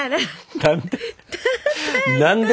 何で？